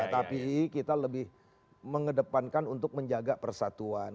tapi kita lebih mengedepankan untuk menjaga persatuan